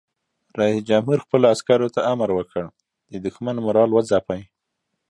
رئیس جمهور خپلو عسکرو ته امر وکړ؛ د دښمن مورال وځپئ!